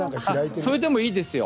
それでいいですよ。